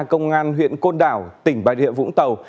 công an huyện côn đảo tỉnh bài địa vũng tàu